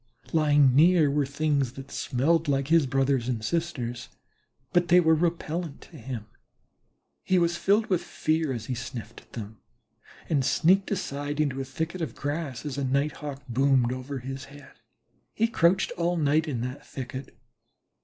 Lying near were things that smelled like his brothers and sisters, but they were repellent to him. He was filled with fear as he sniffed at them, and sneaked aside into a thicket of grass, as a Night hawk boomed over his head. He crouched all night in that thicket.